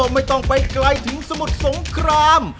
ไม่ต้องไปไกลถึงสมุทรสงคราม